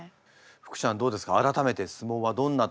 福ちゃんどうですか？